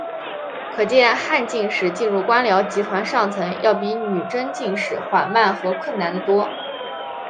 可见汉进士进入官僚集团上层要比女真进士缓慢和困难得多。